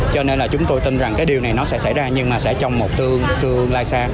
cho nên là chúng tôi tin rằng cái điều này nó sẽ xảy ra nhưng mà sẽ trong một tương lai xa